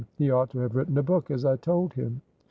He ought to have written a book, as I told him."